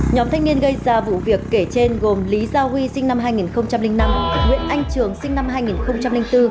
nhóm thanh niên gây ra vụ việc kể trên gồm lý gia huy sinh năm hai nghìn năm nguyễn anh trường sinh năm hai nghìn bốn